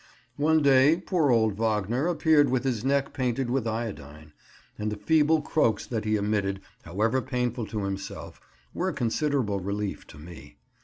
One day poor old Wagner appeared with his neck painted with iodine, and the feeble croaks that he emitted, however painful to himself, were a considerable relief to me.